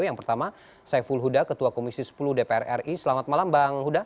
yang pertama saiful huda ketua komisi sepuluh dpr ri selamat malam bang huda